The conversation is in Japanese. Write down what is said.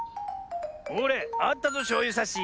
ほれあったぞしょうゆさし。